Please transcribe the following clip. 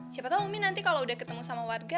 siapa tahu umi nanti kalau udah ketemu sama warga